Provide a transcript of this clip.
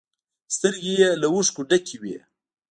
سترگې يې له اوښکو ډکې وې.